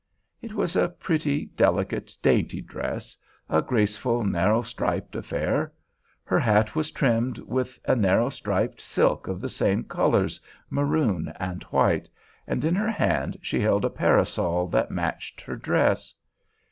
It was a pretty, delicate, dainty dress, a graceful, narrow striped affair. Her hat was trimmed with a narrow striped silk of the same colors—maroon and white—and in her hand she held a parasol that matched her dress.